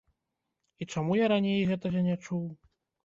І чаму я раней гэтага не чуў?